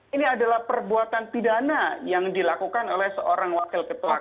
ini adalah perbuatan pidana yang dilakukan oleh seorang wakil ketua kpk